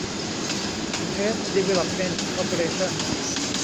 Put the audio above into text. เพซ ดีเวลลอปเมนท์ คอร์ปอเรชั่น